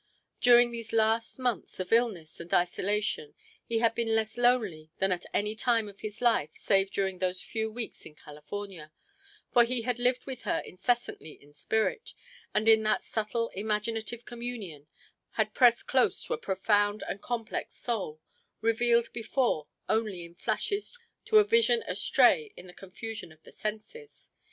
During these last months of illness and isolation he had been less lonely than at any time of his life save during those few weeks in California, for he had lived with her incessantly in spirit; and in that subtle imaginative communion had pressed close to a profound and complex soul, revealed before only in flashes to a vision astray in the confusion of the senses.